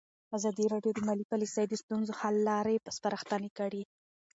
ازادي راډیو د مالي پالیسي د ستونزو حل لارې سپارښتنې کړي.